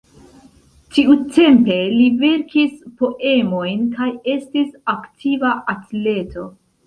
Tiutempe li verkis poemojn kaj estis aktiva atleto.